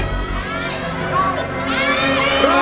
ร้องได้ไงล่ะ